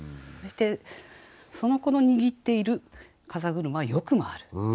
そしてその子の握っている風車はよく回る。